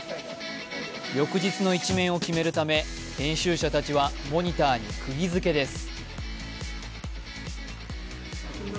翌日の１面を決めるため編集者たちはモニターにくぎづけです。